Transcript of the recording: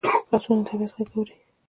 لاسونه د طبیعت غږ اوري